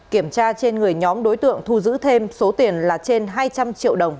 kiểm tra trên người nhóm đối tượng thu giữ thêm số tiền là trên hai trăm linh triệu đồng